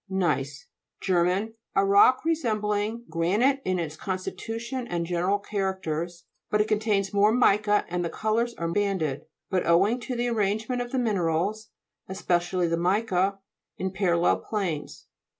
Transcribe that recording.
GNEISS Ger. A rock resembling granite in its constitution and ge neral characters ; but it contains more mica and the colours are banded, but owing to the arrange ment of the minerals, especially the mica, in parallel planes.